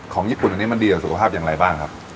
ญี่ปุ่นอันนี้มันดีต่อสุขภาพอย่างไรบ้างครับ